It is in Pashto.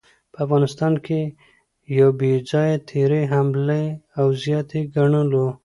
په افغانستان يو بې ځايه تېرے، حمله او زياتے ګڼلو